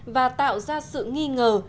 và tạo ra sự nghi ngờ